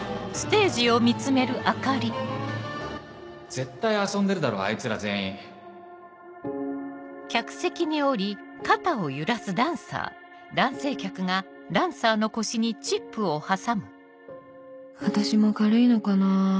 絶対遊んでるだろあいつら全員私も軽いのかな